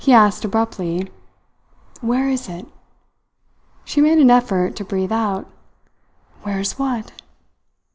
He asked abruptly: "Where is it?" She made an effort to breathe out: "Where's what?"